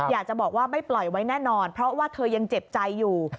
อยากจะบอกว่าไม่ปล่อยไว้แน่นอนเพราะว่าเธอยังเจ็บใจอยู่